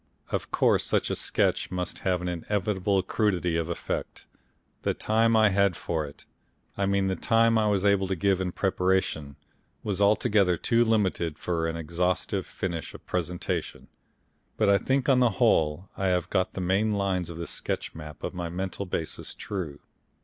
Of course, such a sketch must have an inevitable crudity of effect. The time I had for it I mean the time I was able to give in preparation was altogether too limited for any exhaustive finish of presentation; but I think on the whole I have got the main lines of this sketch map of my mental basis true.